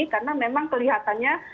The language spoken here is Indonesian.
karena memang kelihatannya